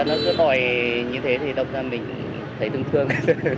nó cứ tội như thế thì động ra mình thấy tương thương